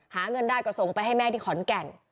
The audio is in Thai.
หาเงินได้ก็ส่งไปให้แม่ที่ขอนแก่น